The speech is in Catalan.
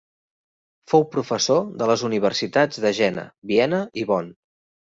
Fou professor de les universitats de Jena, Viena i Bonn.